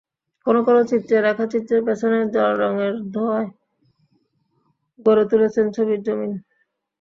কোনো কোনো চিত্রে রেখাচিত্রের পেছনে জলরঙের ধোঁয়ায় গড়ে তুলেছেন ছবির জমিন।